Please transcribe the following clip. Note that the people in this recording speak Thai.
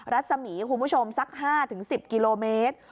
รัศมีคุณผู้ชมสัก๕๑๐กิโลเมตร